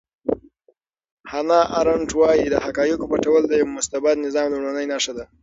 هانا ارنټ وایي چې د حقایقو پټول د یو مستبد نظام لومړنۍ نښه ده.